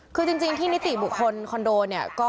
คือจริงที่นิติบุคคลคอนโดเนี่ย